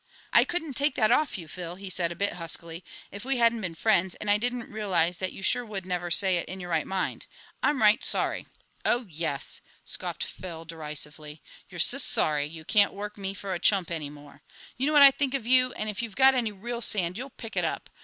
"I couldn't take that off you, Phil," he said, a bit huskily, "if we hadn't been friends and I didn't realize that you sure would never say it in your right mind. I'm right sorry " "Oh, yes," scoffed Phil derisively, "you're sus sorry you can't work me for a chump any more. You know what I think of you, and if you've got any real sand you'll pick it up.